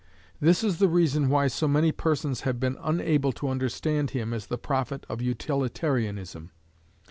This is the reason why so many persons have been unable to understand him as the prophet of utilitarianism.